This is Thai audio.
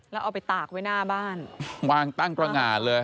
แล้วเอาไปตากไว้หน้าบ้าน